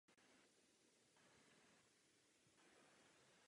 Na umělecké scéně se tato generace objevila v polovině sedmdesátých let.